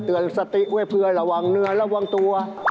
สติไว้เพื่อระวังเนื้อระวังตัว